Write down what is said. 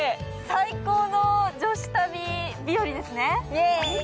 最高の女子旅日和ですね、イエーイ。